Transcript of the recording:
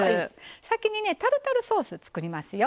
先にタルタルソース作りますよ。